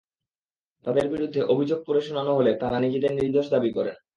তাঁদের বিরুদ্ধে অভিযোগ পড়ে শোনানো হলে তাঁরা নিজেদের নির্দোষ দাবি করেন।